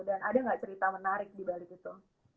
dan ada nggak cerita menarik di balik itu